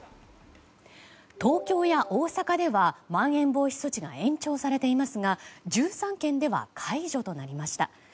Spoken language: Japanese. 東京や大阪ではまん延防止措置が延長されていますが１３県では解除となりました。